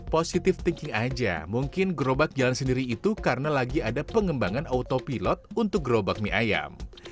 positive thinking aja mungkin gerobak jalan sendiri itu karena lagi ada pengembangan autopilot untuk gerobak mie ayam